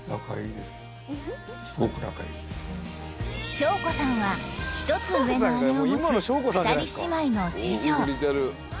しょうこさんは１つ上の姉を持つ２人姉妹の次女